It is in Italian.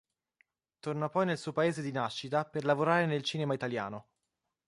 Torna poi nel suo paese di nascita per lavorare nel cinema italiano.